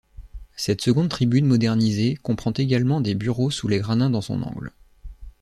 Cette seconde tribune modernisée comprend également des bureaux sous les gradins dans son angle.